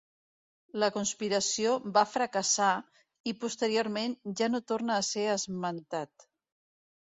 La conspiració va fracassar i posteriorment ja no torna a ser esmentat.